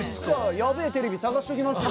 やべえテレビ探しときますよ。